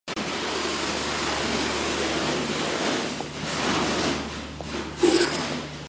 膝下が痒い